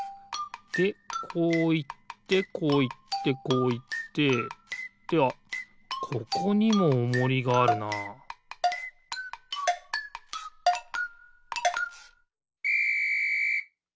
でこういってこういってこういってってあっここにもおもりがあるなピッ！